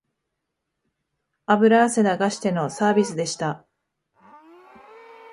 油汗流してのサービスでした